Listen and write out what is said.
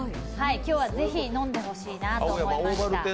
今日は是非飲んでほしいなと思いました。